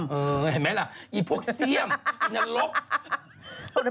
เห็นไหมล่ะเห็นปุกเซียมไอ้อร่าง